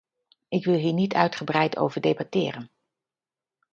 Ik wil hier niet uitgebreid over debatteren.